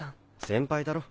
先輩だろ。